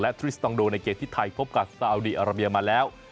ทริสตองโดในเกมที่ไทยพบกับสาวดีอาราเบียมาแล้ว